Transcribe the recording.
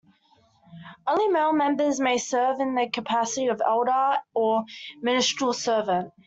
Only male members may serve in the capacity of elder or ministerial servant.